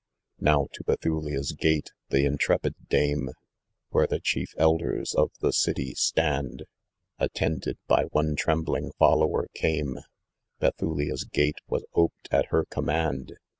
Now to Eethulia's gate, the intrepid dame, Where the chief elders of the City stand, Attended by one trembling follower came ; Bethuua's gate was oped at her command.